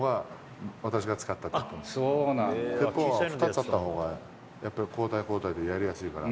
２つあったほうが、やっぱり交代交代でやりやすいから。